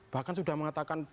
bahkan sudah mengatakan